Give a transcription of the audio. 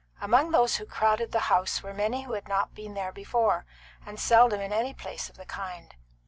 Among those who crowded the house were many who had not been there before, and seldom in any place of the kind.